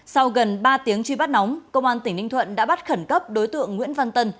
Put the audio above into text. sau gần ba tiếng truy bắt nóng công an tỉnh ninh thuận đã bắt khẩn cấp đối tượng nguyễn văn tân